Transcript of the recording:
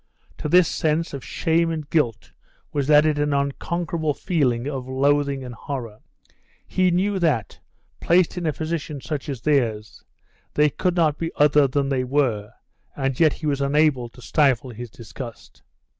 To this sense of shame and guilt was added an unconquerable feeling of loathing and horror. He knew that, placed in a position such as theirs, they could not be other than they were, and yet he was unable to stifle his disgust.